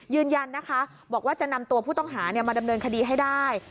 ยืนยันนะคะบอกว่าจะนำตัวผู้ต้องหามาดำเนินคดีให้ได้